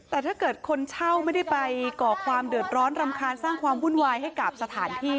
แต่ถ้าเกิดคนเช่าไม่ได้ไปก่อความเดือดร้อนรำคาญสร้างความวุ่นวายให้กับสถานที่